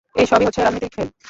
এসবই হচ্ছে রাজনীতির খেল!